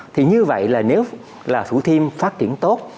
thì như vậy là nếu là thủ thiêm phát triển tốt